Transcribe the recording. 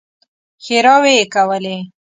ښېراوې يې کولې.